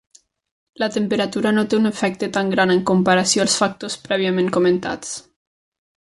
La temperatura no té un efecte tan gran en comparació als factors prèviament comentats.